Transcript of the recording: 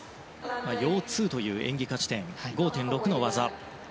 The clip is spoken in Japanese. ヨー２という演技価値点５．６の技です。